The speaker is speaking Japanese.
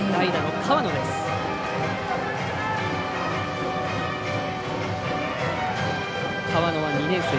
河野は２年生。